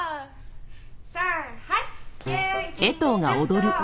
さんはい。